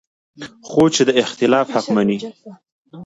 خو چې د اختلاف حق مني